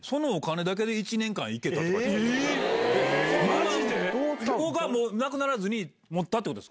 マジで⁉なくならずに持ったってこと？